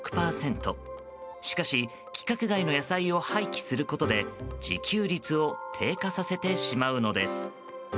しかし、規格外の野菜を廃棄することで自給率を低下させてしまうのです。